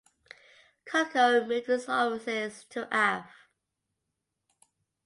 Coco moved its offices to Av.